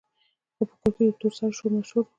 خو په کور کې د تور سرو شور ماشور وو.